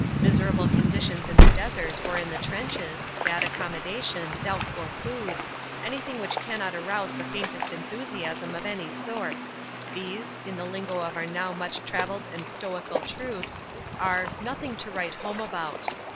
Miserable conditions in the desert or in the trenches, bad accommodation, doubtful food anything which cannot arouse the faintest enthusiasm of any sort these, in the lingo of our now much travelled and stoical troops, are "nothing to write home about."